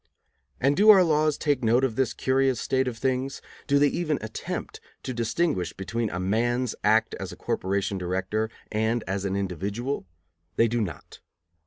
And do our laws take note of this curious state of things? Do they even attempt to distinguish between a man's act as a corporation director and as an individual? They do not.